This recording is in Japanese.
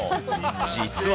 実は。